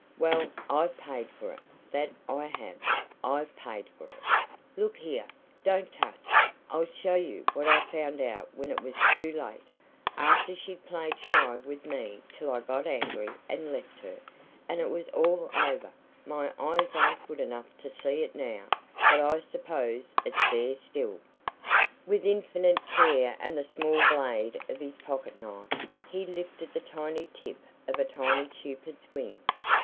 Well, I've paid for it that I have I've paid for it. Look here don't touch! I'll show you what I found out when it was too late after she'd played shy with me till I got angry and left her, and it was all over my eyes aren't good enough to see it now, but I suppose it's there still " With infinite care and the small blade of his pocket knife, he lifted the tiny tip of a tiny Cupid's wing.